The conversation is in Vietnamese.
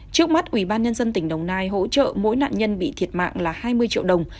trước mắt ủy ban nhân dân tỉnh đồng nai hỗ trợ mỗi nạn nhân bị thiệt mạng là hai mươi triệu đồng